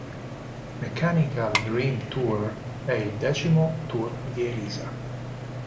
Mechanical Dream Tour è il decimo tour di Elisa.